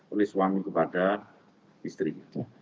oleh suami kepada istrinya